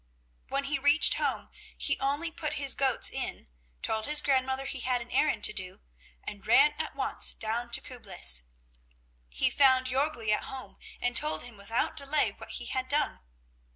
When he reached home, he only put his goats in, told his grandmother he had an errand to do, and ran at once down to Küblis. He found Jörgli at home and told him without delay what he had done.